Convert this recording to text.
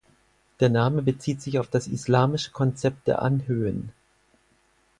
Der Name bezieht sich auf das islamische Konzept der Anhöhen.